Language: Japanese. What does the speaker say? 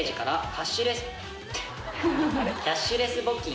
キャッシュレス募金。